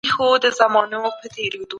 دا کوډ تر هغه بل ډېر پاک لیکل سوی دی.